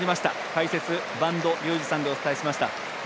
解説、播戸竜二さんでお伝えしました。